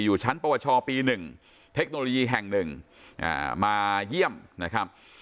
อยู่ชั้นประวัติศาสตร์ปีหนึ่งเทคโนโลยีแห่งหนึ่งอ่ามาเยี่ยมนะครับ